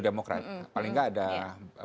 demokrat paling tidak ada